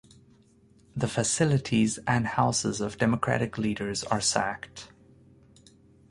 The facilities and houses of Democratic leaders are sacked.